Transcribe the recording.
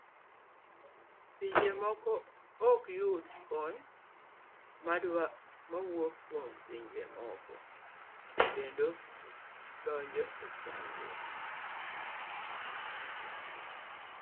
Pinje moko ok yud kony mawuok kuom pinje moko kendo donje chandruok.